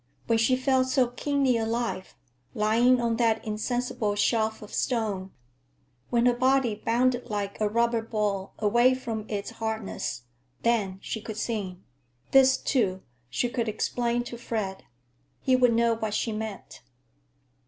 When she felt so keenly alive, lying on that insensible shelf of stone, when her body bounded like a rubber ball away from its hardness, then she could sing. This, too, she could explain to Fred. He would know what she meant.